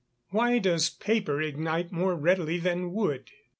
_Why does paper ignite more readily than wood?